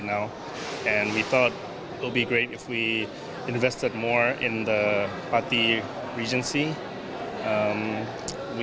kami pikir akan bagus jika kita berinvestasi lebih dalam regency parti